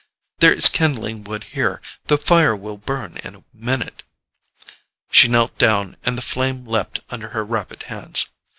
"There is kindling wood here: the fire will burn in a minute." She knelt down, and the flame leapt under her rapid hands.